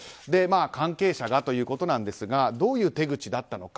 関係者がということなんですがどういう手口だったのか。